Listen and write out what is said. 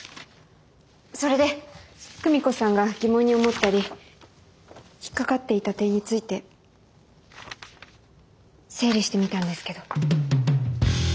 それで久美子さんが疑問に思ったり引っ掛かっていた点について整理してみたんですけど。